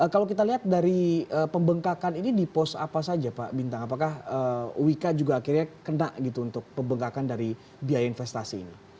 kalau kita lihat dari pembengkakan ini di pos apa saja pak bintang apakah wika juga akhirnya kena gitu untuk pembengkakan dari biaya investasi ini